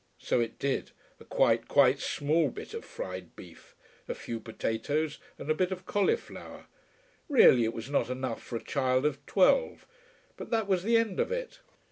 So it did: a quite, quite small bit of fried beef, a few potatoes and a bit of cauliflower. Really, it was not enough for a child of twelve. But that was the end of it.